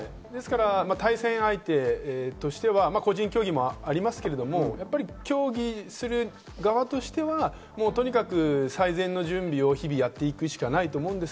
対戦相手としては個人競技もありますけれども、競技する側としては最善の準備を日々やっていくしかないと思います。